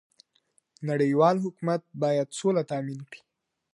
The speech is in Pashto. نړيوال حکومت بايد سوله تامين کړي.